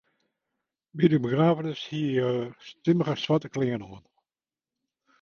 By de begraffenis hie er stimmige swarte klean oan.